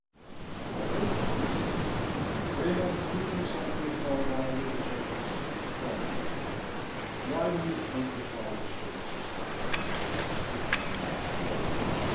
I urged reasonably: "Rena, you think something is going on under the surface. Tell me about it. Why do you think your father was put in suspension?" "To keep him out of the way.